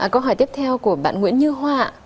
câu hỏi tiếp theo của bạn nguyễn như hoa